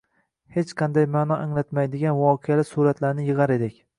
hech qanday ma’no anglatmaydigan voqeali suratlarni yig‘ar edik.